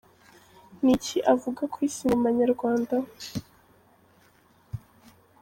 Ni iki avuga kuri sinema nyarwanda?.